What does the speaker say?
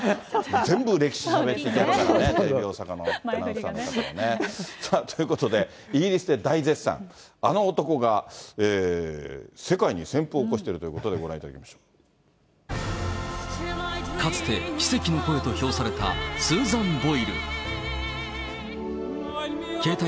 全部歴史しゃべってくれるからね、テレビ大阪の。ということで、イギリスで大絶賛、あの男が世界に旋風を起こしてるということで、ご覧いただかつて奇跡の声と称されたスーザン・ボイル。